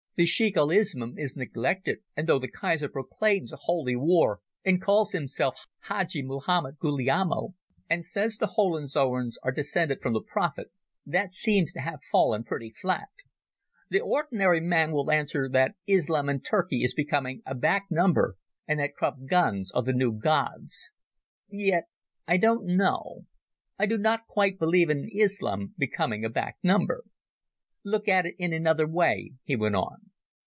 The Sheikh ul Islam is neglected, and though the Kaiser proclaims a Holy War and calls himself Hadji Mohammed Guilliamo, and says the Hohenzollerns are descended from the Prophet, that seems to have fallen pretty flat. The ordinary man again will answer that Islam in Turkey is becoming a back number, and that Krupp guns are the new gods. Yet—I don't know. I do not quite believe in Islam becoming a back number." "Look at it in another way," he went on.